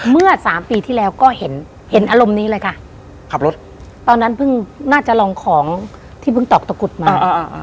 เมื่อสามปีที่แล้วก็เห็นเห็นอารมณ์นี้เลยค่ะขับรถตอนนั้นเพิ่งน่าจะลองของที่เพิ่งตอกตะกุดมาอ่า